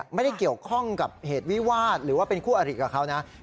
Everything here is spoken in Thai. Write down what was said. ไม่ได้เกี่ยวข้องกับเหตุวิวาสหรือว่าเป็นคู่อริกับเขานะ